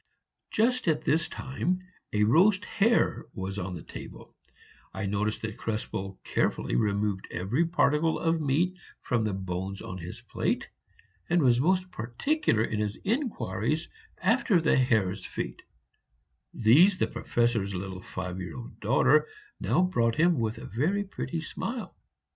Just at this time a roast hare was on the table; I noticed that Krespel carefully removed every particle of meat from the bones on his plate, and was most particular in his inquiries after the hare's feet; these the Professor's little five year old daughter now brought to him with a very pretty smile.